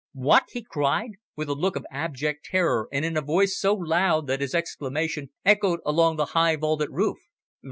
"What!" he cried, with a look of abject terror and in a voice so loud that his exclamation echoed along the high, vaulted roof.